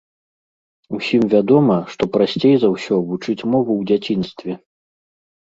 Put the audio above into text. Усім вядома, што прасцей за ўсё вучыць мову ў дзяцінстве.